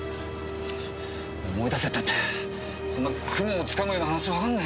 チッ思い出せったってそんな雲をつかむような話わかんねえよ。